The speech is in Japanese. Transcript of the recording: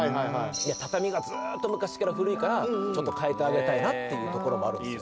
畳がずっと昔から古いから、ちゃんと替えてあげたいなっていうところがあるんですよ。